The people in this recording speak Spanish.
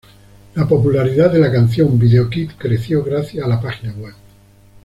La popularidad de la canción "video kid" creció gracias a la página web.